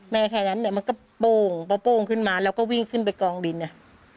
แม่แค่นั้นเนี่ยมันก็โป้งป้อโป้งขึ้นมาเราก็วิ่งขึ้นไปกองดินเนี่ย